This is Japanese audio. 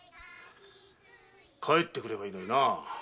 帰ってくればいいのにな。